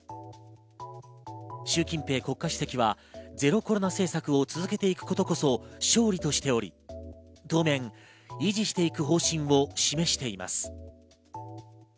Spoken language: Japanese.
シュウ・キンペイ国家主席はゼロコロナ政策を続けていくことこそ勝利としており、当面維持していく方針を示しています。